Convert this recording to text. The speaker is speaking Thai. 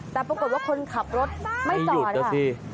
แต่ปรากฏว่าคนขับรถไม่จอดค่ะ